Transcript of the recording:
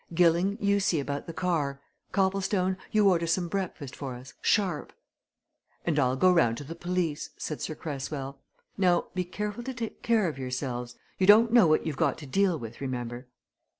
Gilling, you see about the car. Copplestone, you order some breakfast for us sharp." "And I'll go round to the police," said Sir Cresswell. "Now, be careful to take care of yourselves you don't know what you've got to deal with, remember."